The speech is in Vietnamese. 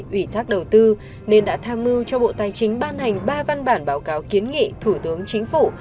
ủy thác đầu tư nên đã tham mưu cho bộ tài chính ban hành ba văn bản báo cáo kiến nghị thủ tướng chính phủ